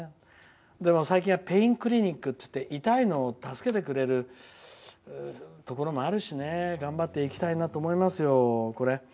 でも最近はペインクリニックっていって痛いのを助けてくれるところもあるしね頑張っていきたいと思いますよ。